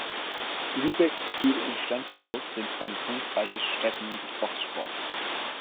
Lübeck, Kiel und Flensburg sind traditionsreiche Stätten des Boxsports.